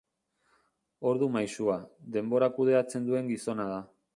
Ordu maisua: Denbora kudeatzen duen gizona da.